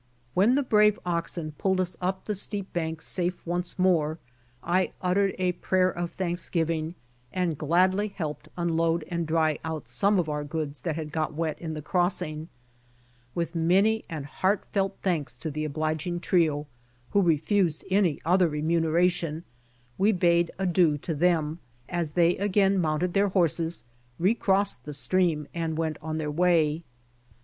When the brave oxen pulled us up the steep banks safe once more, I uttered a prayer of thanksgiving and gladly helped unload and dry out some of our goods that had got wet in the crossing. With many and heartfelt thanks to the obliging trio, who refused any other remuneration, we bade adieu to them, as they again mounted their horses, re crossed the stream and went on their way.